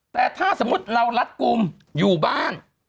แต่ถ้าสมมุติเรารัดกลุ่มอยู่บ้าน